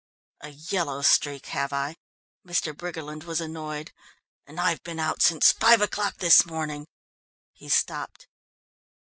"A yellow streak, have I?" Mr. Briggerland was annoyed. "And I've been out since five o'clock this morning " he stopped.